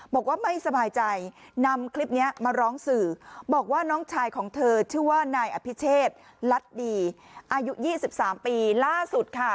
บอกว่าไม่สบายใจนำคลิปนี้มาร้องสื่อบอกว่าน้องชายของเธอชื่อว่านายอภิเชษลัดดีอายุ๒๓ปีล่าสุดค่ะ